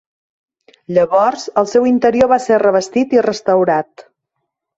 Llavors el seu interior va ser revestit i restaurat.